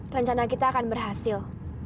rencana kita akan berhasil